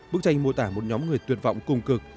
bức tranh mô tả một nhóm người tuyệt vọng cùng cực